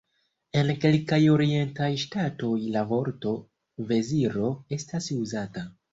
En kelkaj orientaj ŝtatoj la vorto "veziro" estas uzata.